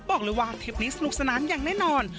บอกเลยว่าเทปนี้สนุกสนานอย่างแน่นอน